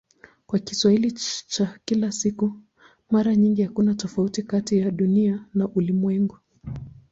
Kwa Kiswahili cha kila siku mara nyingi hakuna tofauti kati ya "Dunia" na "ulimwengu".